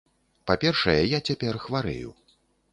Па-першае, я цяпер хварэю.